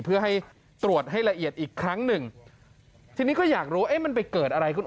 เพื่อให้ตรวจให้ละเอียดอีกครั้งหนึ่งทีนี้ก็อยากรู้เอ๊ะมันไปเกิดอะไรขึ้น